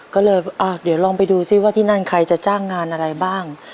ก็เลยเดี๋ยวลองไปดูซิว่าที่นั่นใครจะจ้างงานอะไรบ้าง